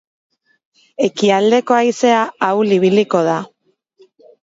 Ekialdeko haizea ahul ibiliko da.